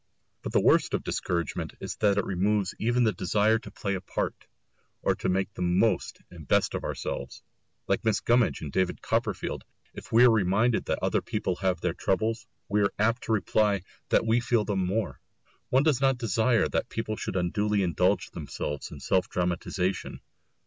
But the worst of discouragement is that it removes even the desire to play a part, or to make the most and best of ourselves. Like Mrs. Gummidge in David Copperfield, if we are reminded that other people have their troubles, we are apt to reply that we feel them more. One does not desire that people should unduly indulge themselves in self dramatisation.